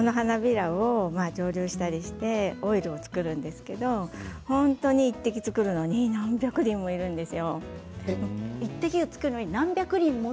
この花びらを蒸留してオイルを作るんですけど本当に１滴作るのに何百輪もいるんですよ。